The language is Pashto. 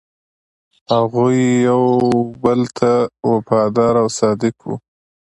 هغوی یو بل ته وفادار او صادق وو.